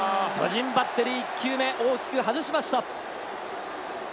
巨人バッテリー１球目大きく外しました。